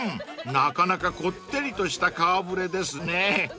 なかなかこってりとした顔触れですね］